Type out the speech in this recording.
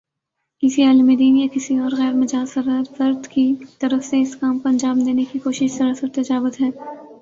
کسی عالمِ دین یا کسی اور غیر مجاز فرد کی طرف سے اس کام کو انجام دینے کی کوشش سراسر تجاوز ہے